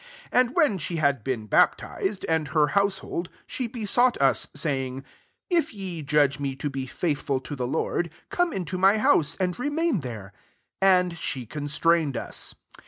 15 And when she had been baptized, and her household, she besought tt«, saying, « If ye judge me to be faithful to the Lord, come into my bouse, and i*emain there." And she constrained us.